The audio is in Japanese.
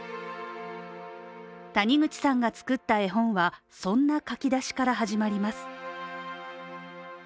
谷口さんが作った絵本はそんな書き出しから始まります。